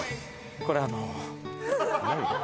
これあの。